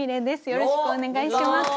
よろしくお願いします。